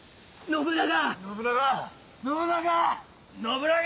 信長！